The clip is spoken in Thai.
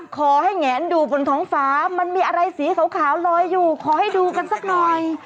แงนดูบนท้องฟ้ามันมีอะไรสีขาวลอยอยู่ขอให้ดูกันสักหน่อย